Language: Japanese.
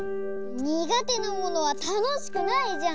にがてなものはたのしくないじゃん。